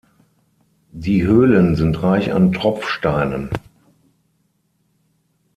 Die Höhlen sind reich an Tropfsteinen.